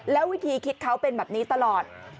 แล้ววิธีคิดเขาเป็นแบบนี้ตลอด